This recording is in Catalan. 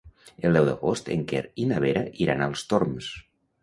El deu d'agost en Quer i na Vera iran als Torms.